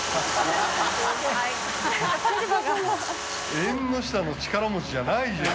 縁の下の力持ちじゃないじゃん。